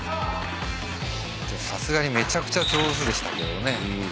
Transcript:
さすがにめちゃくちゃ上手でしたけどね。